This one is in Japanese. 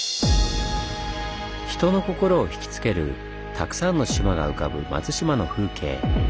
人の心をひきつけるたくさんの島が浮かぶ松島の風景。